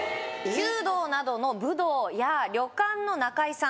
弓道などの武道や旅館の仲居さん